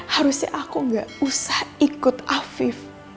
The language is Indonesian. harusnya aku gak usah ikut afif